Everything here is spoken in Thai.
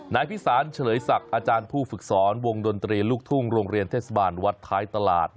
นายพิสารเฉลยศักดิ์อาจารย์ผู้ฝึกสอนวงดนตรีลูกทุ่งโรงเรียนเทศบาลวัดท้ายตลาด